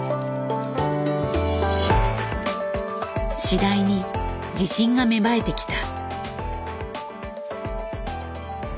次第に自信が芽生えてきた。